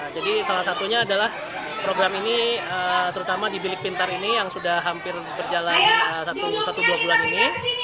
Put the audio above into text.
jadi salah satunya adalah program ini terutama di bilik pintar ini yang sudah hampir berjalan satu dua bulan ini